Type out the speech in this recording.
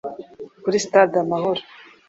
Kuri Stade Amahoro